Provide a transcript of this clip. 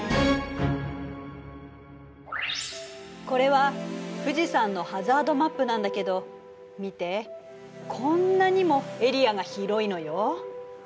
これは富士山のハザードマップなんだけど見てこんなにもエリアが広いのよ。